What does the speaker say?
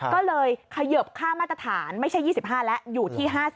ก็เลยเขยิบค่ามาตรฐานไม่ใช่๒๕แล้วอยู่ที่๕๐